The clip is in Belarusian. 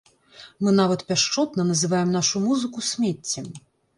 Мы нават пяшчотна называем нашу музыку смеццем.